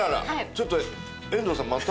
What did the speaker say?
ちょっと遠藤さんまた。